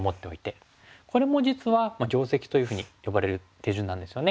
これも実は「定石」というふうに呼ばれる手順なんですよね。